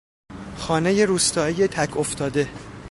خانهی روستایی تک افتاده